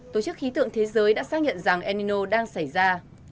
tổ chức khí tượng thế giới đã xác nhận rằng el nino đang xảy ra